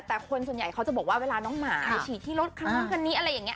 แต่คนส่วนใหญ่เขาจะบอกว่าเวลาน้องหมาไปฉีดที่รถคันนู้นคันนี้อะไรอย่างนี้